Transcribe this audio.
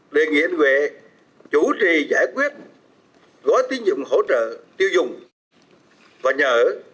đề nghị anh huệ chủ trì giải quyết gói tiêu dụng hỗ trợ tiêu dụng và nhờ